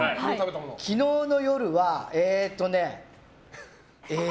昨日の夜は、えっとね。